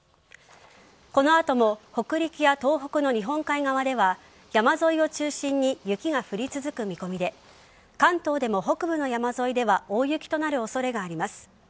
この後も北陸や東北の日本海側では山沿いを中心に雪が降り続く見込みで関東でも北部の山沿いでは大雪となる恐れがあります。